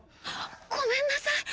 ごめんなさい！